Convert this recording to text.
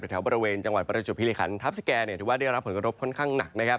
แถวบริเวณจังหวัดประจุภิริขันทัพสแก่ถือว่าได้รับผลกระทบค่อนข้างหนักนะครับ